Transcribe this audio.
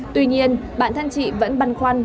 tuy nhiên bạn thân chị vẫn băn khoăn